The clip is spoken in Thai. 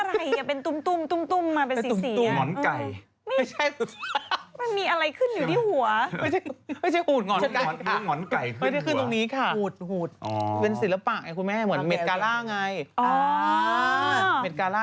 สมมติว่าอันนี้แค่ดอกยางหลุดออกมาก็คือโดนเลยนะครับ